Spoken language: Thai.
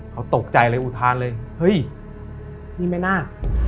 เขาตกใจเลยอุทานเลยเฮ้ยนี่แม่นาค